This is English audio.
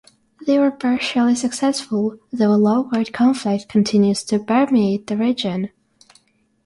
They were partially successful, though a low-grade conflict continues to permeate the region.